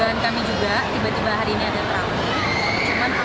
dan kami juga tiba tiba hari ini ada trauma